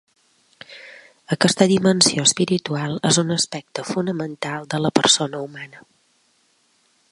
Aquesta dimensió espiritual és un aspecte fonamental de la persona humana.